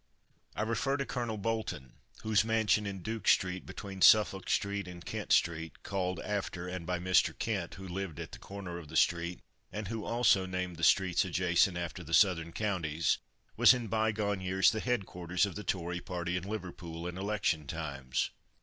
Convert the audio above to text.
I refer to Colonel Bolton, whose mansion in Duke street, between Suffolk street and Kent street (called after, and by Mr. Kent, who lived at the corner of the street, and who also named the streets adjacent after the southern counties), was in bye gone years the head quarters of the Tory party in Liverpool, in election times.